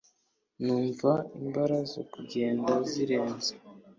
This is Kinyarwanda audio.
numva imbara zo kugenda ziranze